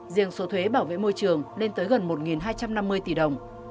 riêng số thuế bảo vệ môi trường lên tới gần một hai trăm năm mươi tỷ đồng